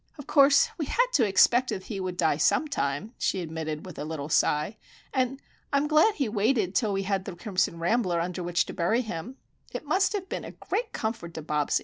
"Of course we had to expect that he would die sometime," she admitted, with a little sigh. "And I'm glad he waited till we had the crimson rambler under which to bury him. It must have been a great comfort to Bobsie!